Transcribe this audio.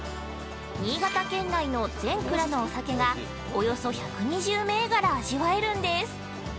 新潟県内の全蔵のお酒がおよそ１２０銘柄味わえるんです。